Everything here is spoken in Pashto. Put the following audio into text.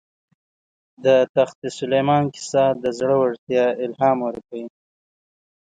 د تخت سلیمان کیسه د زړه ورتیا الهام ورکوي.